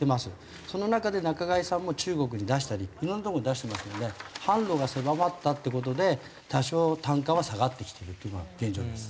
その中で仲買さんも中国に出したりいろんなとこに出してますので販路が狭まったって事で多少単価は下がってきてるというのが現状です。